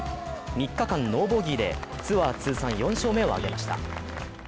３日間ノーボギーでツアー通算４勝目を挙げました。